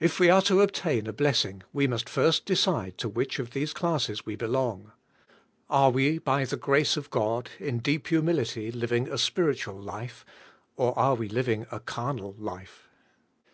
If we are to obtain a blessing, we must lirst decide to which of these classes we belong. Are we, by the grace of God, in deep humility living a spiritual life, or are we living a carnal life?